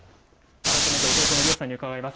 改めて弟の諒さんに伺います。